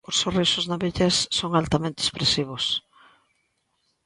Os sorrisos na vellez son altamente expresivos.